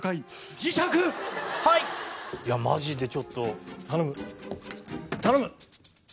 いやマジでちょっと頼む頼む！